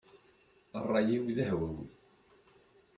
Ṛṛay-iw d ahwawi.